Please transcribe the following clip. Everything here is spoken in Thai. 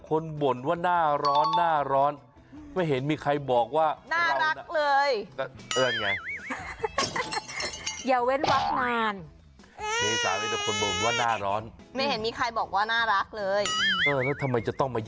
คุณผู้ชมคุณผู้ชมคุณผู้ชมคุณผู้ชมคุณผู้ชมคุณผู้ชมคุณผู้ชมคุณผู้ชมคุณผู้ชมคุณผู้ชม